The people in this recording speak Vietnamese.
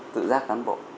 tự giác cán bộ